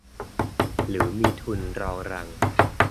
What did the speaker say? หรือมีทุนรองรัง